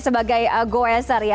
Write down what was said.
sebagai go acer ya